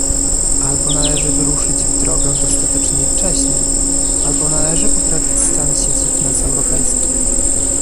albo należy wyruszyć w drogę dostateczne wcześnie, albo należy poprawić stan sieci transeuropejskich